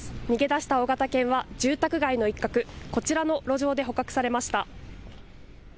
逃げ出した大型犬は住宅街の一角、こちらの路上で捕獲されました。